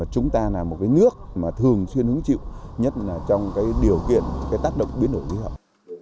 chúng ta là một nước thường xuyên hứng chịu nhất trong điều kiện tác động biến đổi thế hậu